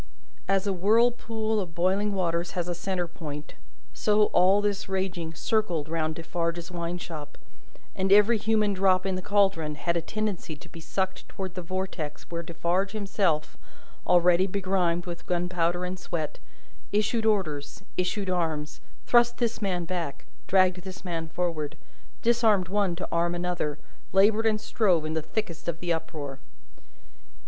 As a whirlpool of boiling waters has a centre point, so, all this raging circled round Defarge's wine shop, and every human drop in the caldron had a tendency to be sucked towards the vortex where Defarge himself, already begrimed with gunpowder and sweat, issued orders, issued arms, thrust this man back, dragged this man forward, disarmed one to arm another, laboured and strove in the thickest of the uproar.